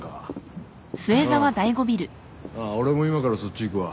あっ俺も今からそっち行くわ。